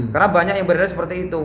karena banyak yang berada seperti itu